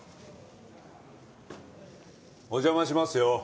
お邪魔しますよ。